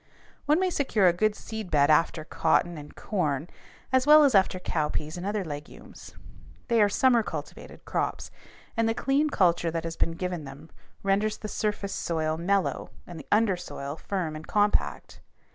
One may secure a good seed bed after cotton and corn as well as after cowpeas and other legumes. They are summer cultivated crops, and the clean culture that has been given them renders the surface soil mellow and the undersoil firm and compact.